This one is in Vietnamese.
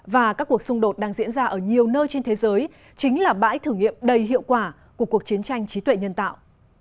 và các cuộc xung đột đang diễn ra ở nhiều nơi trên thế giới chính là bãi thử nghiệm đầy hiệu quả của cuộc chiến tranh trí tuệ nhân tạo